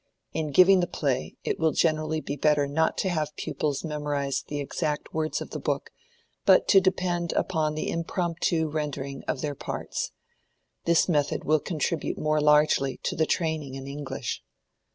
In giving the play, it will generally be better not to have pupils memorize the exact words of the book, but to depend upon the impromptu rendering of their parts. This method will contribute more largely to the training in English.